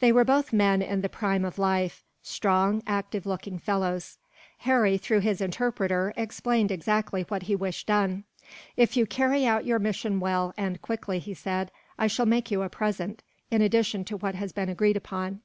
They were both men in the prime of life strong, active looking fellows. Harry, through his interpreter, explained exactly what he wished done. "If you carry out your mission well, and quickly," he said, "I shall make you a present, in addition to what has been agreed upon.